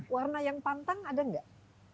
warna yang pantang ada nggak